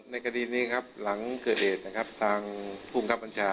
ในคดีนี้ครับหลังเกิดเหตุนะครับทางภูมิครับบัญชา